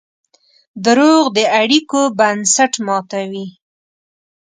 دروغ د اړیکو بنسټ ماتوي.